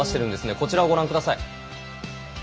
こちらをご覧ください。